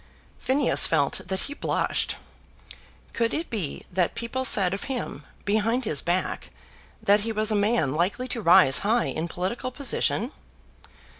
Phineas felt that he blushed. Could it be that people said of him behind his back that he was a man likely to rise high in political position?